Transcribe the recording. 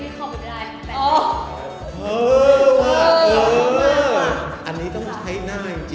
ไม่ต้องรับสแกนหน้าเพราะว่าเป็นสิ่งเดี๋ยวที่เข้าไปไม่ได้